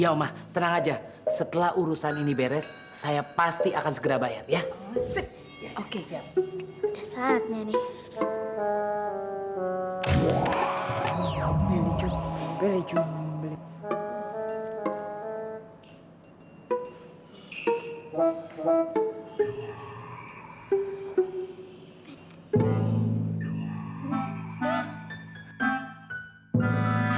yama tenang aja setelah urusan ini beres saya pasti akan segera bayar ya oke siap saatnya nih